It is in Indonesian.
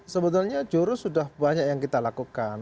sebetulnya jurus sudah banyak yang kita lakukan